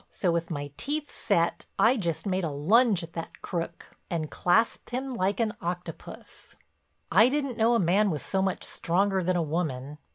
So with my teeth set, I just made a lunge at that crook and clasped him like an octopus. I didn't know a man was so much stronger than a woman.